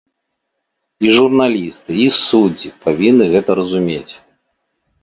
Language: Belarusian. І журналісты, і суддзі павінны гэта разумець.